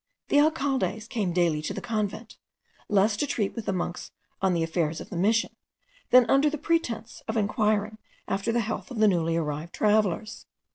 The alcaldes came daily to the convent, less to treat with the monks on the affairs of the Mission, than under the pretence of inquiring after the health of the newly arrived travellers.